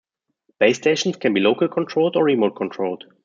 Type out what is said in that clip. Base stations can be local controlled or remote controlled.